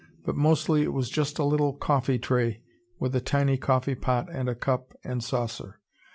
But mostly it was just a little coffee tray with a tiny coffee pot and a cup and saucer.